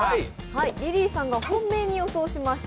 リリーさんが本命に予想しました